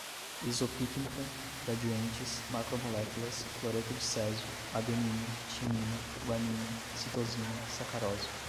isopícnica, gradientes, macromoléculas, cloreto de césio, adenina, timina, guanina, citosina, sacarose